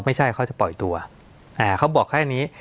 ไม่ใช่เขาจะปล่อยตัวเขาบอกแค่นี้